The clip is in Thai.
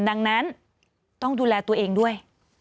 ดังนั้นต้องดูแลตัวเองด้วย